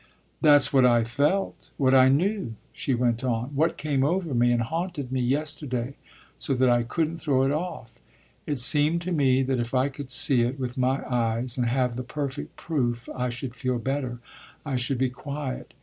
"That's what I felt, what I knew," she went on "what came over me and haunted me yesterday so that I couldn't throw it off. It seemed to me that if I could see it with my eyes and have the perfect proof I should feel better, I should be quiet.